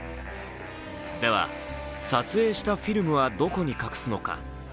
では、撮影したフィルムはどこに隠すのか。